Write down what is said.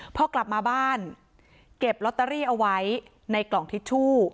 พอกลับมาบ้านเก็บลอตเตอรี่เอาไว้ในกล่องทิชชู่